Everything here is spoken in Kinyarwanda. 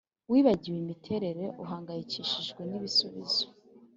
wibagiwe imiterere; uhangayikishijwe n'ibisubizo.